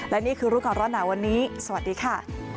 และนี่คือรู้ก่อนร้อนหนาวันนี้สวัสดีค่ะ